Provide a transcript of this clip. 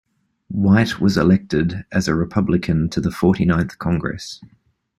White was elected as a Republican to the Forty-ninth Congress.